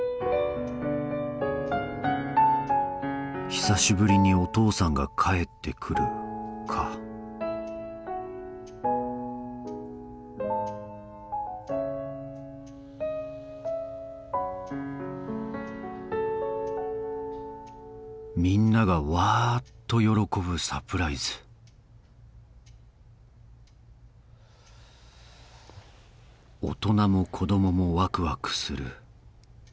「久しぶりにお父さんが帰ってくる」かみんながわっと喜ぶサプライズ大人も子供もワクワクする。